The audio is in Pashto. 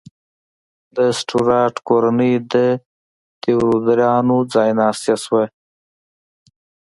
د سټورات کورنۍ د تیودوریانو ځایناستې شوه.